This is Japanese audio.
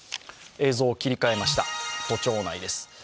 映像、切り替えました、都庁内です。